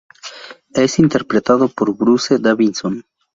Es interpretado por Bruce Davison.